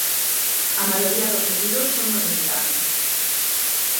A maioría dos detidos son dominicanos.